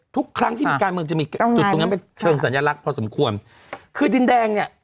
ทุกครั้งที่มีการเมืองจะมีจุดตรงนั้นเป็นเชิงสัญลักษณ์พอสมควรคือดินแดงเนี่ย